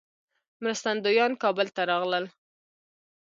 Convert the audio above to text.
مرستندویان کابل ته راغلل.